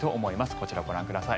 こちら、ご覧ください。